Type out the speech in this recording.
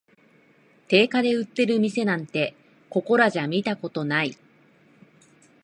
定価で売ってる店なんて、ここらじゃ見たことない